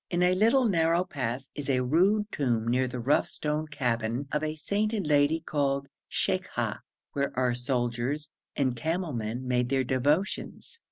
In a little narrow pass is a rude tomb near the rough stone cabin of a sainted lady called Sheikha, where our soldiers and camel men made their devotions.